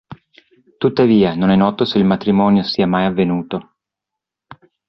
Tuttavia, non è noto se il matrimonio sia mai avvenuto.